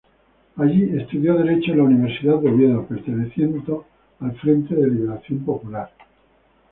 Allí estudió Derecho en la Universidad de Oviedo, perteneciendo al Frente de Liberación Popular.